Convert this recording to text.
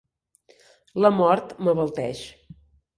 La mort m'abalteix.